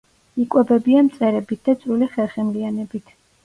იკვებებიან მწერებით და წვრილი ხერხემლიანებით.